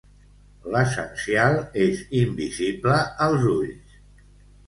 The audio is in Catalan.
L'essencial és invisible als ulls.